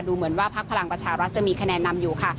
เหมือนว่าพักพลังประชารัฐจะมีคะแนนนำอยู่ค่ะ